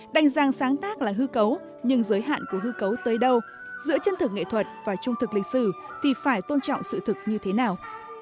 đánh giá sáng tác là hư cấu nhưng giới hạn của hư cấu tới đâu giữa chân thực nghệ thuật và trung thực lịch sử thì phải tôn trọng sự thực như thế nào